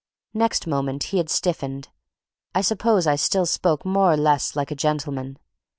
Next moment he had stiffened. I suppose I still spoke more or less like a gentleman.